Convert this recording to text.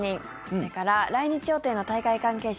それから、来日予定の大会関係者